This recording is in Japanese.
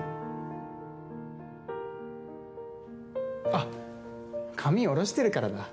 あっ、髪下ろしてるからだ。